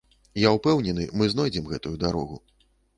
Я ўпэўнены, мы знойдзем гэтую дарогу.